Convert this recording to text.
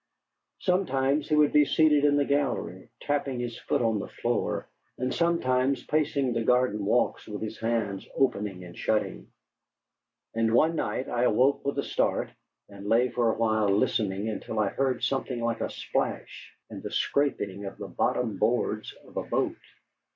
Sometimes he would be seated in the gallery, tapping his foot on the floor, and sometimes pacing the garden walks with his hands opening and shutting. And one night I awoke with a start, and lay for a while listening until I heard something like a splash, and the scraping of the bottom boards of a boat.